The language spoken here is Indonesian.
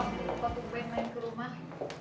aku pengen main ke rumah